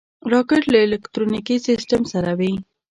راکټ له الکترونیکي سیسټم سره وي